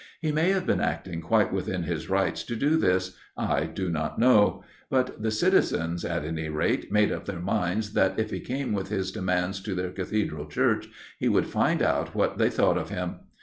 He may have been acting quite within his rights to do this: I do not know; but the citizens, at any rate, made up their minds that, if he came with his demands to their Cathedral Church, he would find out what they thought of him.